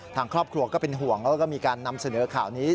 ทางครอบครัวก็เป็นห่วงแล้วก็มีการนำเสนอข่าวนี้